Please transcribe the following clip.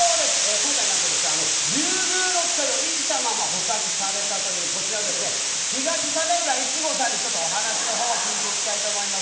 今回、リュウグウノツカイが生きたまま捕獲されたという東鮫浦苺さんにお話を聞いていきたいと思います。